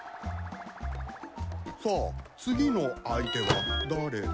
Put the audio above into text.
さあ次の相手は誰だ？